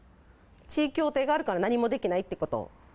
地位協定があるから何もできないっていうことを。